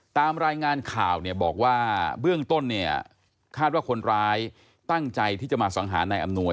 ตามรายงานข่าวเนี่ยบอกว่าเบื้องต้นเนี่ยคาดว่าคนร้ายตั้งใจที่จะมาสังหารนายอำนวย